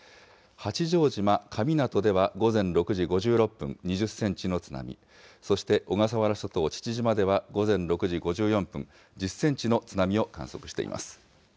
八丈島神湊には午前６時５６分、２０センチの津波、そして小笠原諸島父島では午前６時５４分、１０センチの津波を観測しています。